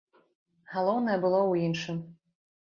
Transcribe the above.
Галоўнае было ў іншым.